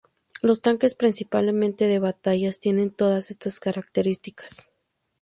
Los tanques principales de batalla tienen todas estas características.